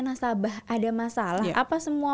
nasabah ada masalah apa semua